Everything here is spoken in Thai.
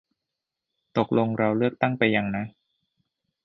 ตกลงเราเลือกตั้งไปยังนะ